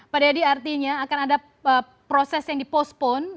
pak dedy artinya akan ada proses yang dipostpone